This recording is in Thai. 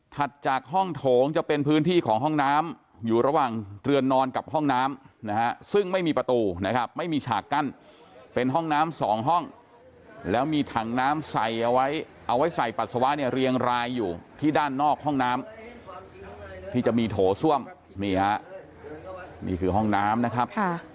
จากห้องโถงจะเป็นพื้นที่ของห้องน้ำอยู่ระหว่างเรือนนอนกับห้องน้ำนะฮะซึ่งไม่มีประตูนะครับไม่มีฉากกั้นเป็นห้องน้ำสองห้องแล้วมีถังน้ำใส่เอาไว้เอาไว้ใส่ปัสสาวะเนี่ยเรียงรายอยู่ที่ด้านนอกห้องน้ำที่จะมีโถส้วมนี่ฮะนี่คือห้องน้ำนะครับ